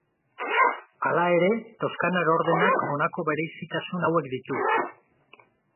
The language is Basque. Hala ere, toskanar ordenak honako berezitasun hauek ditu.